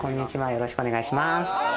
よろしくお願いします。